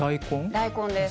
大根です。